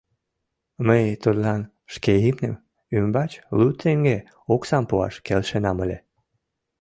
Мый тудлан шке имнем ӱмбач лу теҥге оксам пуаш келшенам ыле.